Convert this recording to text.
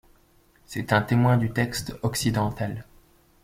C'est un témoin du texte occidental.